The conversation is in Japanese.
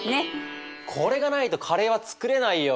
これがないとカレーは作れないよ。